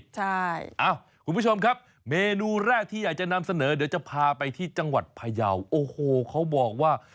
คุณผู้ชมครับเมนูแรกที่อยากจะนำเสนอเดี๋ยวจะพาไปที่จังหวัดพยาวโอ้โหเขาบอกว่า